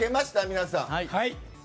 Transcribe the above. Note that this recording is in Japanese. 皆さん。